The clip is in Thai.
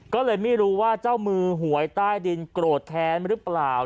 ก็เลยไม่รู้ว่าเจ้ามือหวยใต้ดินโกรธแค้นหรือเปล่า